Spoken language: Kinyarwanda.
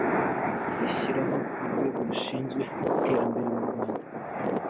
rishyiraho rwego rushinzwe iterambere mu rwanda